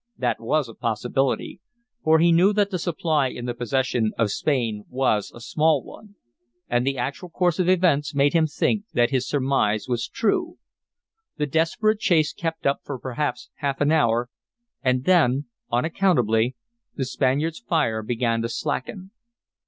That was a possibility, for he knew that the supply in the possession of Spain was a small one. And the actual course of events made him think that his surmise was true. The desperate chase kept up for perhaps half an hour; and then unaccountably the Spaniard's fire began to slacken.